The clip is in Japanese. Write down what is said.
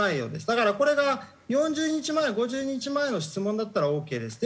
だからこれが４０日前５０日前の質問だったらオーケーです。